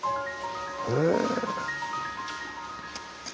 へえ。